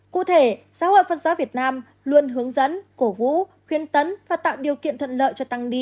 cụ thể giáo hội phật giáo việt nam luôn hướng dẫn cổ vũ khuyến tấn và tạo điều kiện thuận lợi cho tăng đi